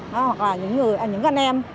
hoặc là những anh em